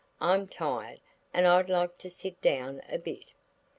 I'm tired and I'd like to sit down a bit."